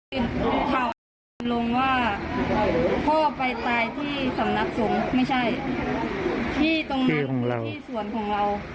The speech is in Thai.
เป็นข่าวอาจารย์ลงว่าพ่อไปตายที่สำนักสงฆ์ไม่ใช่ที่ตรงนั้นที่สวนของเรา